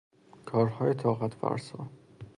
کارهای طاقتفرسا